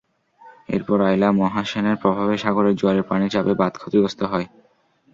এরপর আইলা, মহাসেনের প্রভাবে সাগরের জোয়ারের পানির চাপে বাঁধ ক্ষতিগ্রস্ত হয়।